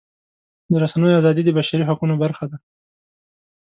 د رسنیو ازادي د بشري حقونو برخه ده.